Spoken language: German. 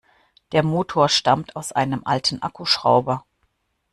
Der Motor stammt aus einem alten Akkuschrauber.